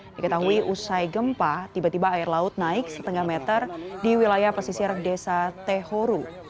diketahui usai gempa tiba tiba air laut naik setengah meter di wilayah pesisir desa tehoru